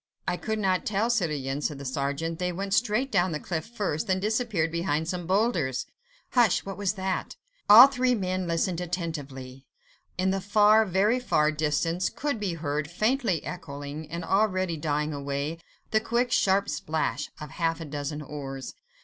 "I could not tell, citoyen," said the sergeant; "they went straight down the cliff first, then disappeared behind some boulders." "Hush! what was that?" All three men listened attentively. In the far, very far distance, could be heard faintly echoing and already dying away, the quick, sharp splash of half a dozen oars.